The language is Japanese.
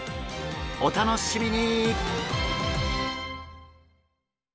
お楽しみに！